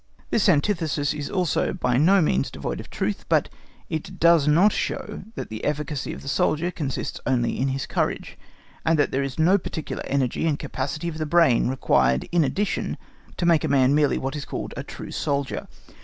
This antithesis is also by no means devoid of truth; but it does not show that the efficiency of the soldier consists only in his courage, and that there is no particular energy and capacity of the brain required in addition to make a man merely what is called a true soldier.